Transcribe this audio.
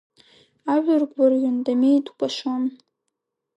Ажәлар гәырӷьон, Дамеи дкәашон.